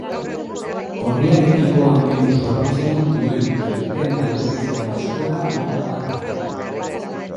Orriarekiko angelu zorrotzean duen kirten laburreko aizkora mota bat da.